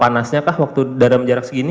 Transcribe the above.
panasnya kah waktu dalam jarak segini